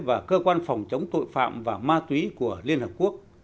và cơ quan phòng chống tội phạm và ma túy của liên hợp quốc